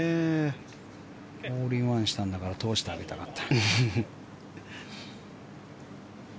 ホールインワンしたんだから通してあげたかった。